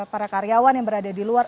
para karyawan yang berada di luar